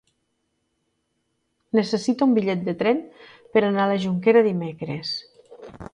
Necessito un bitllet de tren per anar a la Jonquera dimecres.